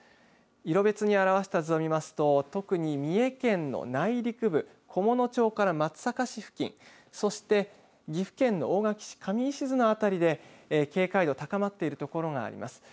色別に表した図を見ますと、特に三重県の内陸部、菰野町から松阪市付近、そして岐阜県の大垣市、の辺りで警戒度高まっている所があります。